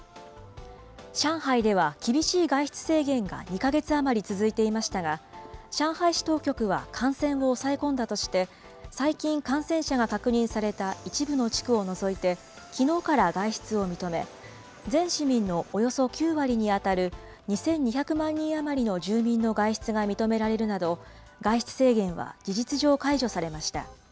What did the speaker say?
上海では厳しい外出制限が２か月余り続いていましたが、上海市当局は感染を抑え込んだとして、最近、感染者が確認された一部の地区を除いて、きのうから外出を認め、全市民のおよそ９割に当たる２２００万人余りの住民の外出が認められるなど、外出制限は事実上解除されました。